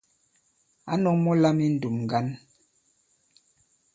Ǎ nɔ̄k mɔ̄ lām I ǹndùm ŋgǎn.